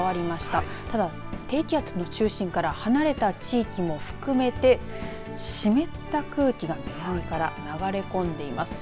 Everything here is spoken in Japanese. ただ、低気圧の中心から離れた地域も含めて湿った空気が南から流れ込んでいます。